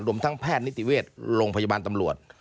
รวมทั้งแพทย์นิติเวชโรงพยาบาลตำรวจ